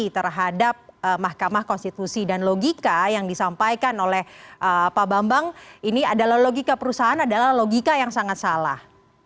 terhadap mahkamah konstitusi dan logika yang disampaikan oleh pak bambang ini adalah logika perusahaan adalah logika yang sangat salah